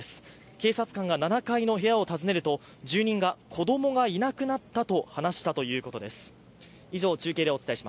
警察官が７階の部屋を訪ねると住人が子供がいなくなったと話したということです。